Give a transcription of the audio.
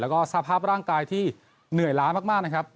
แล้วก็สภาพร่างกายที่เหนื่อยล้ามากนะครับ